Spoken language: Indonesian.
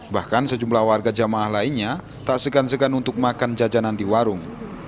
bahkan sejumlah warga jamaah lainnya tak segan segan untuk makan jajanan di warung